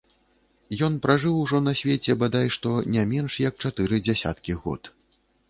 Ён пражыў ужо на свеце бадай што не менш як чатыры дзесяткі год.